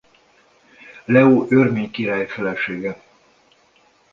Leó örmény király felesége.